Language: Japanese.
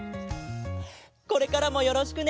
これからもよろしくね！